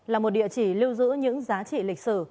là một địa chỉ lưu giữ những giá trị lịch sử